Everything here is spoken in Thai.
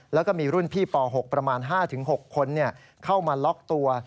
แล้วก็มีรุ่นพี่ป๖ประมาณ๕๖คนเข้ามาล็อกตัว